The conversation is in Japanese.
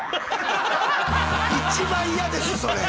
一番嫌ですそれ！